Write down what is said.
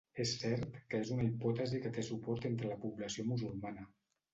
És cert que és una hipòtesi que té suport entre la població musulmana.